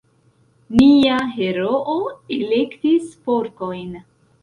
Nia heroo elektis forkojn.